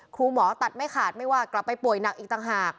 ครูหมอตัดไม่ขาดไม่ว่ากลับไปป่วยหนักอีกต่างหาก